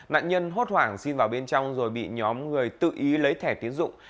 nạn nhân hốt hoảng xin vào bên trong rồi bị nhóm người tự ý lấy thẻ tiến dụng